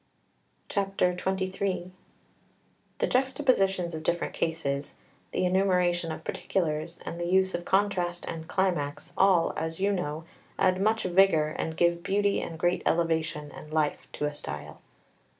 XXIII The juxtaposition of different cases, the enumeration of particulars, and the use of contrast and climax, all, as you know, add much vigour, and give beauty and great elevation and life to a style.